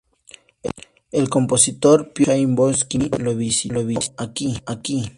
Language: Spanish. El compositor Piotr Chaikovski lo visitó aquí.